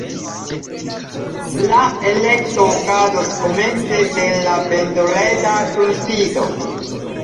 La elekto okazos komence de la vendreda kunsido.